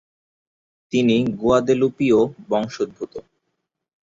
তিনি গুয়াদেলুপীয় বংশোদ্ভূত।